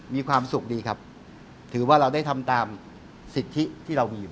มีความสุขดีครับถือว่าเราได้ทำตามสิทธิที่เรามีอยู่